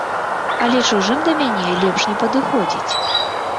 Але чужым да мяне лепш не падыходзіць.